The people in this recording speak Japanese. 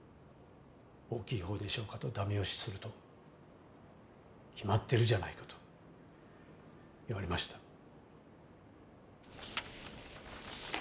「大きい方でしょうか？」と駄目押しすると「決まってるじゃないか」と言われました。